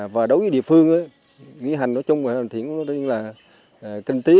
và đối với địa phương nghĩa hành nói chung là kinh tế